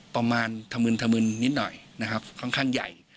ประมาณถมืนนิดหน่อยค่อนข้างใหญ่